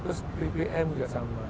terus bbm juga sama